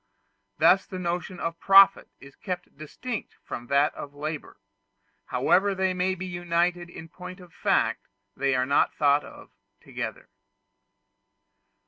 Thus the notion of profit is kept distinct from that of labor; however they may be united in point of fact, they are not thought of together.